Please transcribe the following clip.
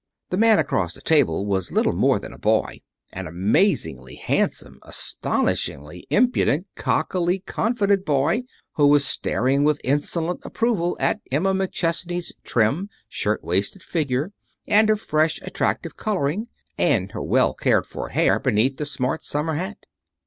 The man across the table was little more than a boy an amazingly handsome, astonishingly impudent, cockily confident boy, who was staring with insolent approval at Emma McChesney's trim, shirt waisted figure, and her fresh, attractive coloring, and her well cared for hair beneath the smart summer hat.